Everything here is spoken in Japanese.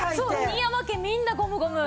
新山家みんなゴムゴム。